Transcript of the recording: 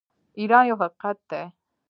ایران یو حقیقت دی.